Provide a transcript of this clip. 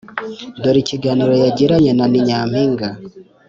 Dore ikiganiro yagiranye na Ni Nyampinga: